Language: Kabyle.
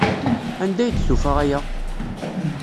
Anda ay d-tufa aya?